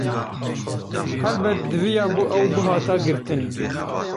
Helbet, diviyabû ew bihata girtin.